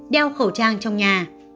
đeo khẩu trang trong nhà